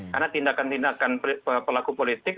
karena tindakan tindakan pelaku politik